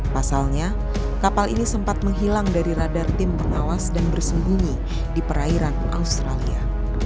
pasalnya kapal ini sempat menghilang dari radar tim pengawas dan bersembunyi di perairan australia